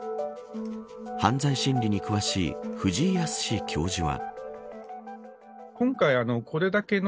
犯罪心理に詳しい藤井靖教授は。